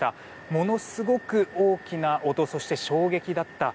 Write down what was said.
ものすごく大きな音そして衝撃だった。